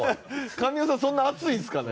神尾さんそんな熱いんすかね？